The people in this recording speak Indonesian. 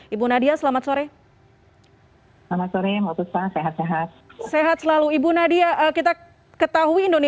ibu nadia selamat sore